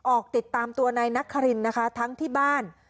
ออกติดตามตัวนายนครินนะคะทั้งที่บ้าน